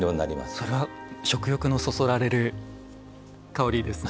それは食欲のそそられる香りですね。